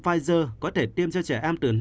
pfizer có thể tiêm cho trẻ em từ